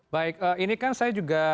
baik ini kan saya juga